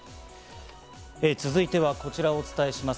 続いてはこちらをお伝えします。